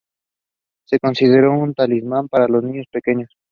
Se consideró un talismán para los niños pequeños.